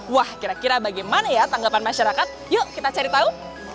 wah kira kira bagaimana ya tanggapan masyarakat yuk kita cari tahu